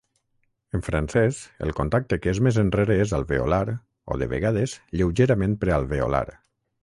En francès, el contacte que és més enrere és alveolar o, de vegades, lleugerament prealveolar.